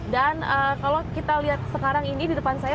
dan kalau kita lihat sekarang ini di depan saya